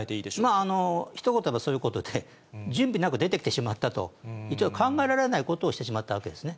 まあ、ひと言でいえばそういうことで、準備なく出てきてしまったと、考えられないことをしてしまったわけですね。